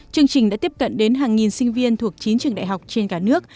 chương trình đã tiếp cận đến hàng nghìn sinh viên thuộc chín trường đại học trên cả nước